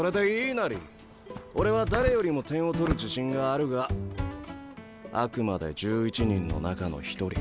俺は誰よりも点を取る自信があるがあくまで１１人の中の１人。